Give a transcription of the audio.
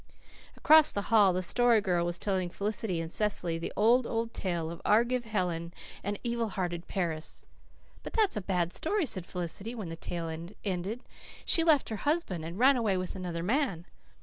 Across the hall, the Story Girl was telling Felicity and Cecily the old, old tale of Argive Helen and "evil hearted Paris." "But that's a bad story," said Felicity when the tale was ended. "She left her husband and run away with another man."